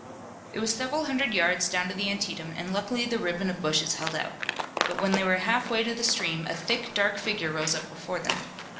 It was several hundred yards down to the Antietam, and luckily the ribbon of bushes held out. But when they were half way to the stream a thick, dark figure rose up before them.